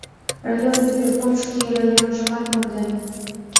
Район избирком шке районжымат монден.